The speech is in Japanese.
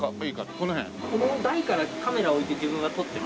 この台からカメラを置いて自分は撮ってますね。